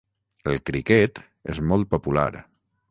El criquet és molt popular.